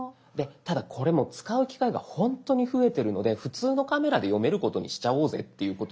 ただこれもう使う機会がほんとに増えてるので普通のカメラで読めることにしちゃおうぜっていうことで。